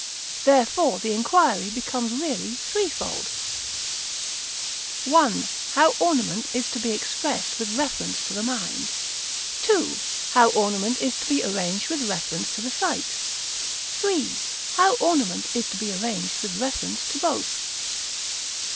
Therefore, the inquiry becomes really threefold: 1. How ornament is to be expressed with reference to the mind. 2. How ornament is to be arranged with reference to the sight. 3. How ornament is to be arranged with reference to both.